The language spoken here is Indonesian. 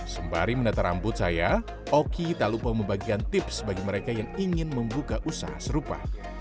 sembari menata rambut saya oki tak lupa membagikan tips bagi mereka yang ingin membuka usaha serupa